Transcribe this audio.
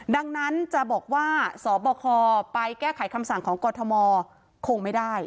ดังนั้นจะบอกว่าสบคไปแก้ไขคำสั่งของกรทมคงไม่ได้